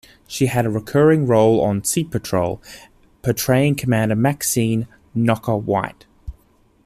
She had a recurring role on "Sea Patrol" portraying Commander Maxine "Knocker" White.